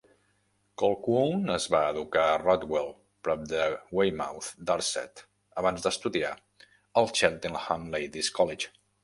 Colquhoun es va educar a Rodwell, prop de Weymouth, Dorset, abans d'estudiar al Cheltenham Ladies' College.